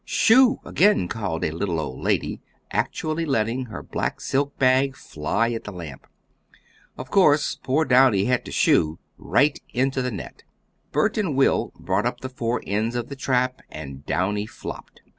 "Shoo!" again called a little old lady, actually letting her black silk bag fly at the lamp. Of course poor Downy had to shoo, right into the net! Bert and Will brought up the four ends of the trap and Downy flopped.